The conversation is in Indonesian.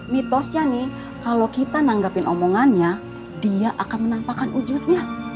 mitosnya nih kalau kita menanggapin omongannya dia akan menampakkan wujudnya